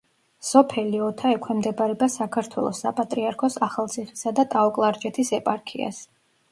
სოფელი ოთა ექვემდებარება საქართველოს საპატრიარქოს ახალციხისა და ტაო-კლარჯეთის ეპარქიას.